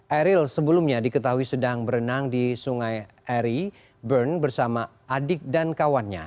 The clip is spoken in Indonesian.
eril sebelumnya diketahui sedang berenang di sungai eri bern bersama adik dan kawannya